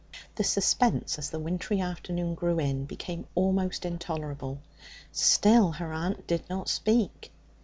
The suspense, as the wintry afternoon drew in, became almost intolerable. Still her aunt did not speak.